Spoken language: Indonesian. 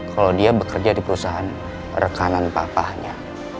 kalau dia bekerja di perusahaan rekanan papahnya